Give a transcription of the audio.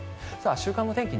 週間の天気